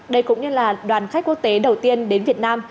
đây cũng như là đoàn khách quốc tế đầu tiên đến việt nam